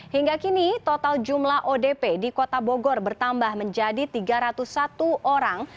hingga kini total jumlah odp di kota bogor bertambah menjadi tiga ratus satu orang